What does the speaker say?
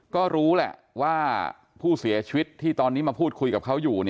ก็รู้แหละว่าผู้เสียชีวิตที่ตอนนี้มาพูดคุยกับเขาอยู่